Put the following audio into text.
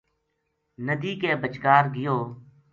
ندی کے بچکار گیو